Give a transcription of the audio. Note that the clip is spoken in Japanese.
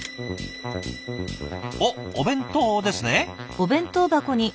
おっお弁当ですね。